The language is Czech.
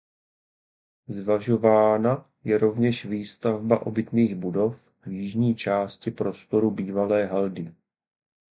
Zvažována je rovněž výstavba obytných budov v jižní části prostoru bývalé haldy.